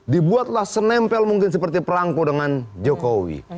dibuatlah senempel mungkin seperti perangko dengan jokowi